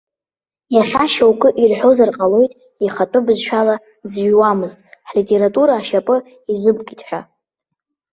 Иахьа шьоукы ирҳәозар ҟалоит ихатәы бызшәала дзыҩуамызт, ҳлитература ашьапы изымкит ҳәа.